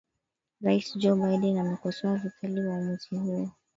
Rais Joe Biden amekosoa vikali uwamuzi huo